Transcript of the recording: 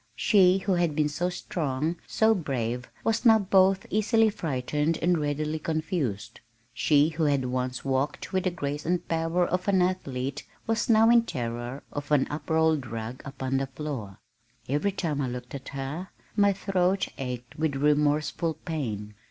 She who had been so strong, so brave, was now both easily frightened and readily confused. She who had once walked with the grace and power of an athlete was now in terror of an up rolled rug upon the floor. Every time I looked at her my throat ached with remorseful pain.